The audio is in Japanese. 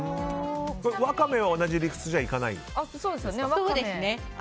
ワカメは同じ理屈ではいかないんですか？